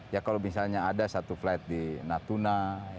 ya kalau misalnya ada satu flight di natuna